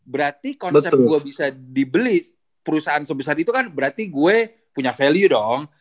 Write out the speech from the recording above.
berarti konsep gue bisa dibeli perusahaan sebesar itu kan berarti gue punya value dong